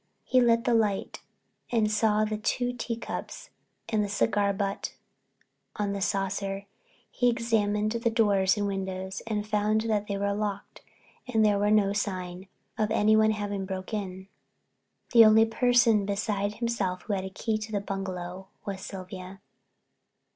He lit the light and saw the two teacups and the cigar butt on the saucer. He examined the doors and windows and found that they were locked and there was no sign of anyone having broken in. The only person beside himself who had a key to the bungalow was Sylvia.